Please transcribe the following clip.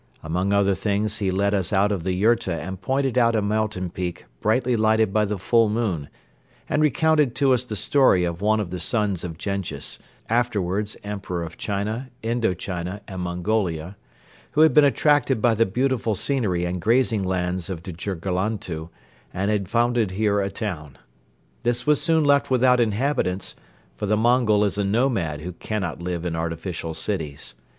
Among other things he led us out of the yurta and pointed out a mountain peak brightly lighted by the full moon and recounted to us the story of one of the sons of Jenghiz, afterwards Emperor of China, Indo China and Mongolia, who had been attracted by the beautiful scenery and grazing lands of Djirgalantu and had founded here a town. This was soon left without inhabitants, for the Mongol is a nomad who cannot live in artificial cities.